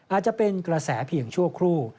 อาจจะเป็นกระแสเพียงชั่วครู่